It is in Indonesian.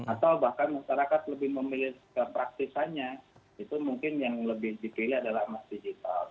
atau bahkan masyarakat lebih memilih kepraktisannya itu mungkin yang lebih dipilih adalah emas digital